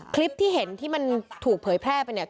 คลิปที่เห็นที่มันถูกเผยแพร่ไปเนี่ย